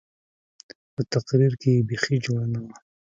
په تقرير کښې يې بيخي جوړه نه وه.